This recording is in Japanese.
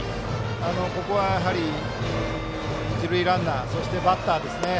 ここは一塁ランナーそしてバッターですね。